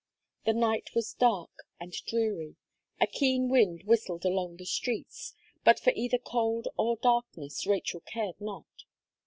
The night was dark and dreary; a keen wind whistled along the streets but for either cold or darkness Rachel cared not.